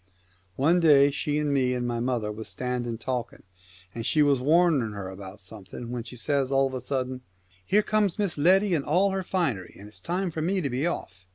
One day she and me and my mother was standing talking, and she was warning her about something, when she says of a sudden, " Here comes Miss Letty in all her finery, and it's time for me to be off.'